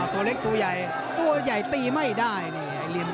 โต๊ะเล็กโต๊ะใหญ่โต๊ะใหญ่ตีไม่ได้